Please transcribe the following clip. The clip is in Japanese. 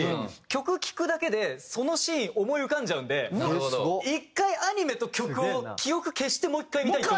曲聴くだけでそのシーン思い浮かんじゃうんで１回アニメと曲を記憶消してもう１回見たいと。